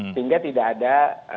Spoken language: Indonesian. sehingga tidak ada